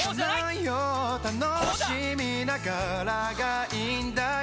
楽しみながらがいいんだよ